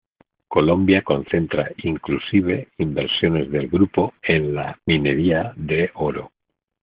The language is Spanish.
Colombia concentra inclusive inversiones del Grupo en la minería de oro.